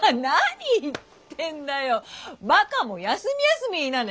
バカも休み休み言いなね。